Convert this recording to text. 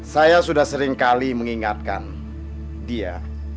saya sudah seringkali mengingatkan dia